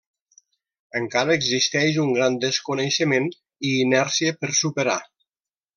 Encara existeix un gran desconeixement i inèrcia per superar.